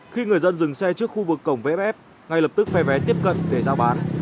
khi người dân dừng xe trước khu vực cổng vff ngay lập tức phe vé tiếp cận để giao bán